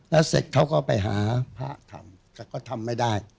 แล้วเสร็จเขาก็ไปหาพระทำแต่ก็ทำไม่ได้